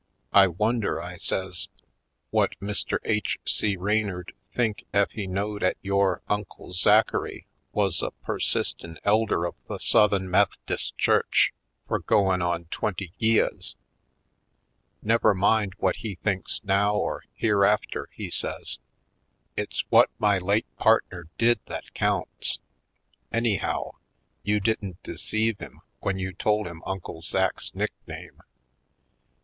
I wonder," I says, "whut Mr. H. C. Raynor 'd think ef he knowed 'at yore Uncle Zachary wuz a Persistin' Elder of the 254 /. Poindexter, Colored Southe'n Meth'dis' Church fur goin' on twenty yeahs?" "Never mind what he thinks now or here after," he says. "It's what my late partner did that counts. Anyhow, you didn't de ceive him when you told him Uncle Zach's nickname."